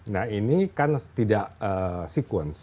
nah ini kan tidak sekuens